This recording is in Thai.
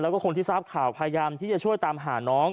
แล้วก็คนที่ทราบข่าวพยายามที่จะช่วยตามหาน้อง